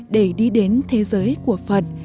để đi đến thế giới của phật